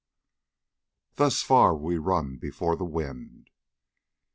"Thus far we run before the wind."